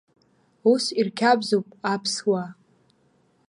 Ус ирқьабзуп аԥсуаа.